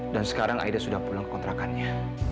dan sekarang aida sudah pulang ke kontrakannya